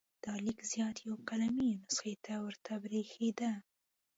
دا لیک زیات یوه قلمي نسخه ته ورته بریښېده.